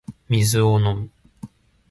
水を飲む